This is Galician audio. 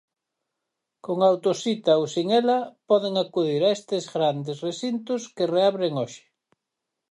Con autocita ou sen ela poden acudir a estes grandes recintos que reabren hoxe.